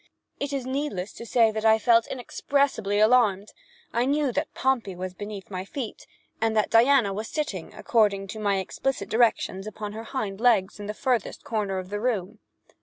It is needless to say that I felt inexpressibly alarmed. I knew that Pompey was beneath my feet, and that Diana was sitting, according to my explicit directions, upon her hind legs, in the farthest corner of the room.